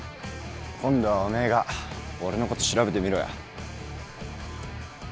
今度はおめえが俺のこと調べてみろよ。